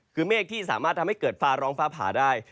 คือเมฆที่สามารถทำให้เกิดฟ้าร้องฟ้าผ่าได้